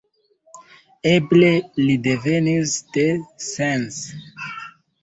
Eble li devenis de Sens.